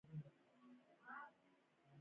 آیا د جنازې پورته کول فرض کفایي نه دی؟